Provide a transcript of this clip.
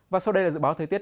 và sau đây là dự báo thời tiết